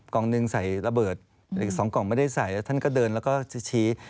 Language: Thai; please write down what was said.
กล่องหนึ่งใส่ระเบิดอีก๒กล่องไม่ได้ใส่แล้วท่านก็เดินแล้วก็ชี้